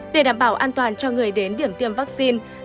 để đảm bảo an toàn cho người đến điểm tiêm vaccine